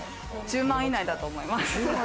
１０万以内だと思います。